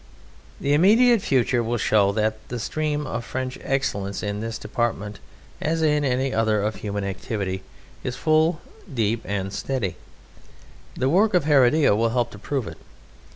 The immediate future will show that the stream of French excellence in this department, as in any other of human activity, is full, deep, and steady. The work of Heredia will help to prove it.